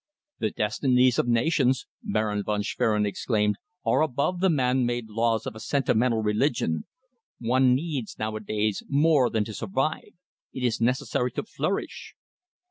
"The destinies of nations," Baron von Schwerin exclaimed, "are above the man made laws of a sentimental religion! One needs, nowadays, more than to survive. It is necessary to flourish."